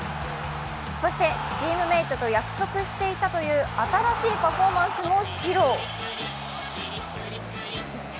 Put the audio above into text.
そして、チームメートと約束していたという新しいパフォーマンスも披露。